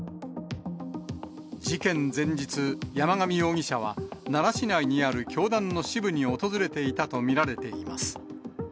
事件前日、山上容疑者は、奈良市内にある教団の支部に訪れていたと見られています。